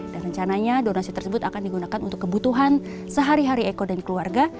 dan rencananya donasi tersebut akan digunakan untuk kebutuhan sehari hari eko dan keluarga